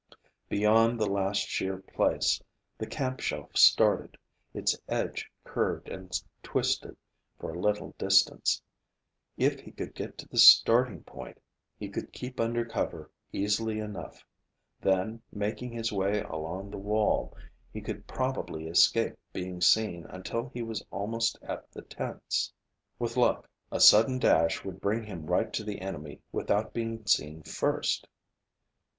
Beyond the last sheer place, the camp shelf started. Its edge curved and twisted for a little distance. If he could get to the starting point, he could keep undercover easily enough. Then, making his way along the wall, he could probably escape being seen until he was almost at the tents. With luck, a sudden dash would bring him right to the enemy without being seen first.